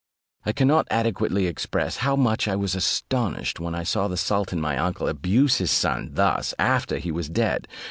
I cannot adequately express how much I was astonished when I saw the sultan my uncle abuse his son thus after he was dead.